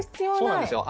そうなんですよ。